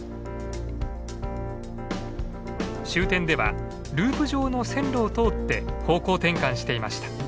終点ではループ状の線路を通って方向転換していました。